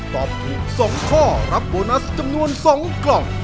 ตอบถูก๒ข้อรับโบนัสจำนวน๒กล่อง